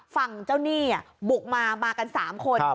ฝั่งเจ้าหนี้บุกมามากัน๓คน